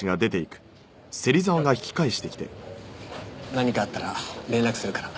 何かあったら連絡するから。